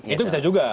itu bisa juga